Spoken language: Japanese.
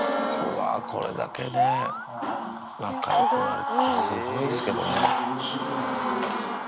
これだけね、仲よくなるってすごいっすけどね。